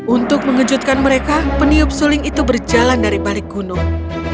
untuk mengejutkan mereka peniup suling itu berjalan dari balik gunung